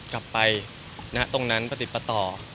กลับไปณตรงนั้นปฏิบต่อ